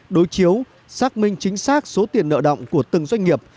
đối chiếu xác minh chính xác số tiền nợ động của từng doanh nghiệp